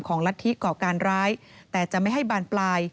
ของรัฐทีด์ก่อการร้ายแต่จะไม่ให้บานปลาย